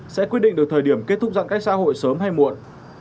sẽ quyết định được thời điểm kết thúc giãn cách xã hội sớm hay muộn